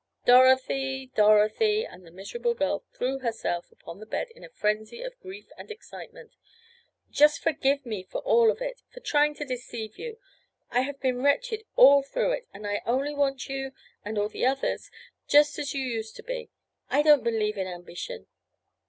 Dorothy! Dorothy!" and the miserable girl threw herself upon the bed in a frenzy of grief and excitement. "Just forgive me for it all—for trying to deceive you. I have been wretched all through it—and I only want you—and all the others—just as you used to be. I don't believe in ambition!"